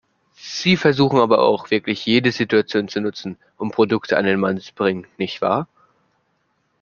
Sie versuchen aber auch wirklich jede Situation zu nutzen, um Produkte an den Mann zu bringen, nicht wahr?